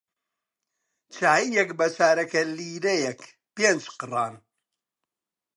چایییەک بە چارەگە لیرەیەک پێنج قڕان